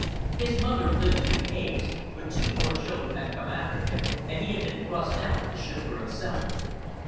His mother lived in the caves, but two more children had come after him and he had been thrust out to shift for himself.